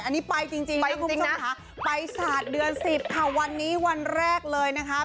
อันนี้ไปจริงไปคุณผู้ชมค่ะไปศาสตร์เดือน๑๐ค่ะวันนี้วันแรกเลยนะคะ